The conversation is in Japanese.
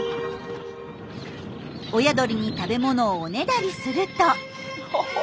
親鳥に食べ物をおねだりすると。